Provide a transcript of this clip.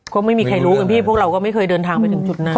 ก็ไม่มีใครรู้กันพี่พวกเราก็ไม่เคยเดินทางไปถึงจุดนั้น